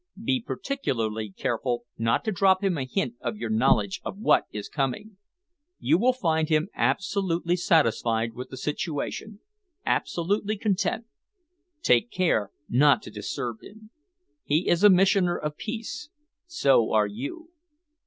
Be particularly careful not to drop him a hint of your knowledge of what is coming. You will find him absolutely satisfied with the situation, absolutely content. Take care not to disturb him. He is a missioner of peace. So are you."